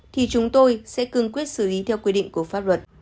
thì chúng tôi sẽ cương quyết xử lý theo quy định của pháp luật